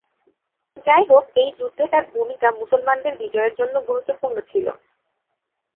যাইহোক, এই যুদ্ধে তাঁর ভূমিকা মুসলমানদের বিজয়ের জন্যে গুরুত্বপূর্ণ ছিল।